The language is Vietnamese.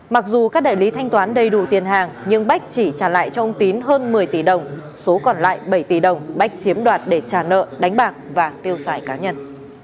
mặc dù các đại lý thanh toán đầy đủ tiền hàng nhưng bách chỉ trả lại cho ông tín hơn một mươi tỷ đồng số còn lại bảy tỷ đồng bách chiếm đoạt để trả nợ đánh bạc và tiêu xài cá nhân